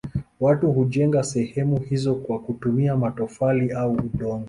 Watu hujenga sehemu hizo kwa kutumia matofali au udongo.